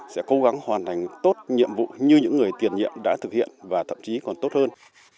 sẽ cố gắng hoàn thành tốt nhiệm vụ như những người tiền nhiệm đã thực hiện và thậm chí còn tốt hơn